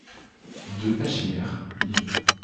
deux Pachymère, liv.